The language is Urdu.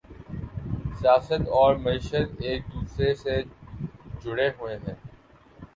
سیاست اور معیشت ایک دوسرے سے جڑے ہوئے ہیں۔